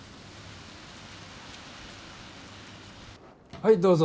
はいどうぞ。